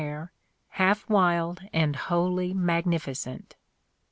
there, half wild and wholly magnificent.